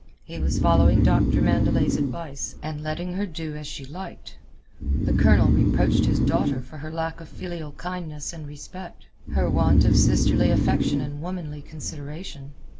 He was following Doctor Mandelet's advice, and letting her do as she liked. The Colonel reproached his daughter for her lack of filial kindness and respect, her want of sisterly affection and womanly consideration.